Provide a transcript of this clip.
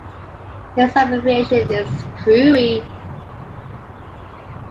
His abbreviation is "Crewe".